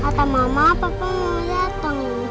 kata mama papa mau datang ya